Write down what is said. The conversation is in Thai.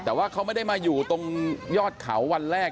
แต่ว่าเขาไม่ได้มาอยู่ตรงยอดเขาวันแรก